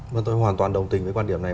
vâng tôi hoàn toàn đồng tình với quan điểm này